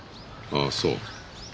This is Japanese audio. ああそう。